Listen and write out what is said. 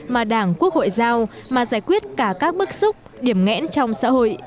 mà đảng quốc hội giao mà giải quyết cả các bức xúc điểm ngẽn trong xã hội